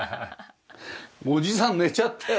おじさん寝ちゃったよ！